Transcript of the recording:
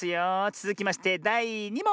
つづきましてだい２もん！